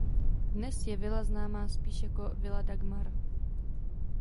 Dnes je vila známa spíše jako "Villa Dagmar".